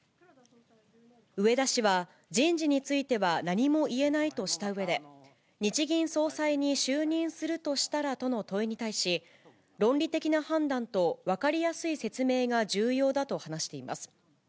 植田氏は、人事については何も言えないとしたうえで、日銀総裁に就任するとしたらとの問いに対し、論理的な判断と分かりやすい説明が重要だと話しています。